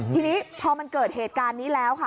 ทีนี้พอมันเกิดเหตุการณ์นี้แล้วค่ะ